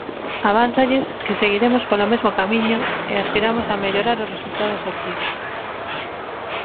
Avánzolles que seguiremos polo mesmo camiño e aspiramos a mellorar os resultados obtidos.